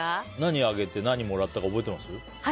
何あげて、何もらったとか覚えてます？